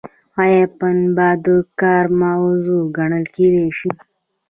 ایا پنبه د کار موضوع ګڼل کیدای شي؟